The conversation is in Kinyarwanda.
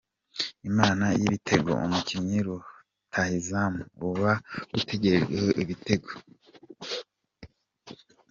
Imana y’ibitego: Umukinnyi rutahizamu, uba utegerejweho ibitego.